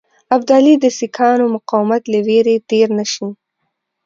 ابدالي د سیکهانو مقاومت له وېرې تېر نه شي.